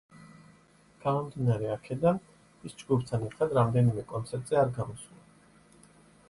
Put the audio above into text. გამომდინარე აქედან, ის ჯგუფთან ერთად რამდენიმე კონცერტზე არ გამოსულა.